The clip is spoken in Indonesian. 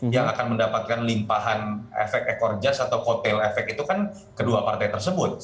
yang akan mendapatkan limpahan efek ekor jas atau kotel efek itu kan kedua partai tersebut